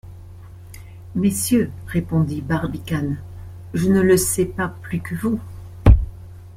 Messieurs, répondit Barbicane, je ne le sais pas plus que vous.